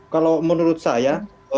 kalau menurut saya